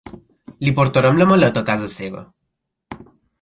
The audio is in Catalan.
Li portarem la maleta a casa seva.